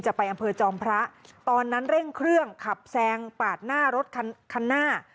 ไปอำเภอจอมพระตอนนั้นเร่งเครื่องขับแซงปาดหน้ารถคันหน้า